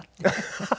ハハハ。